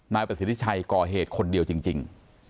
นายประสิทธิชัยก่อเหตุคนเดียวจริง